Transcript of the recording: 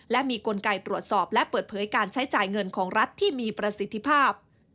และมีกลไกตรวจสอบและเปิดเผยการใช้จ่ายเงินของรัฐที่มีประสิทธิภาพ